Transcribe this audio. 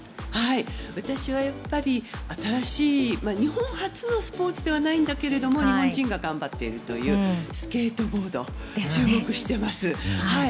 私はやっぱり新しい日本初のスポーツではないんだけれども日本人が頑張っているというスケートボードに注目しています。